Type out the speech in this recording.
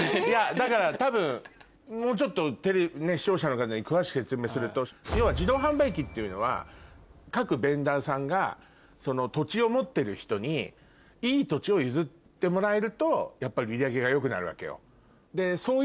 だから多分もうちょっと視聴者の方に詳しく説明すると要は自動販売機っていうのは各ベンダーさんが土地を持ってる人にいい土地を譲ってもらえると売り上げが良くなるわけよ。